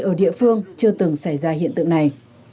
ở địa phương chưa từng xảy ra hiện tượng này